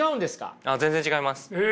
全然違います。